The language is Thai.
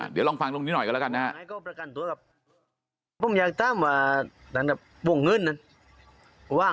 เดี๋ยวลองฟังตรงนี้หน่อยกันแล้วกันนะครับ